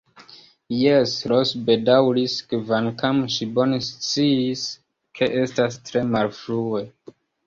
Jes, Ros bedaŭris, kvankam ŝi bone sciis, ke estas tre malfrue.